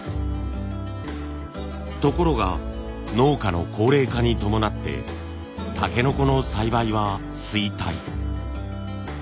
ところが農家の高齢化に伴ってたけのこの栽培は衰退。